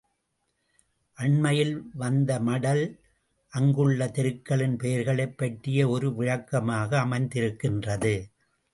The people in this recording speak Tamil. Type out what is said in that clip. அண்மையில் வந்த மடல் அங்குள்ள தெருக்களின் பெயர்களைப் பற்றிய ஒரு விளக்கமாக அமைந்திருக்கின்றது.